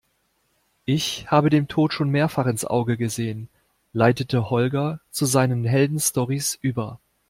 Ich habe dem Tod schon mehrfach ins Auge gesehen, leitete Holger zu seinen Heldenstorys über.